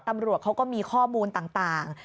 ตำรวจเขาก็มีข้อมูลต่าง